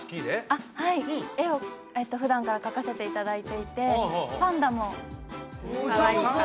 あっはい絵を普段から描かせていただいていてパンダもお上手！